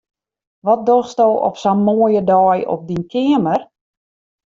Wat dochsto op sa'n moaie dei op dyn keamer?